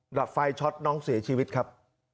ดับไฟช็อตน้องเสียชีวิตครับ